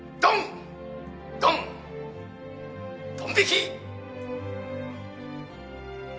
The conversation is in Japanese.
ドン引き。